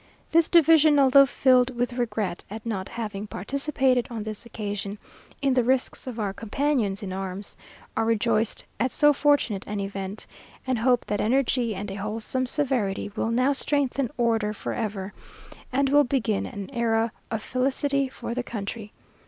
This division, although filled with regret at not having participated on this occasion in the risks of our companions in arms, are rejoiced at so fortunate an event, and hope that energy and a wholesome severity will now strengthen order for ever, and will begin an era of felicity for the country.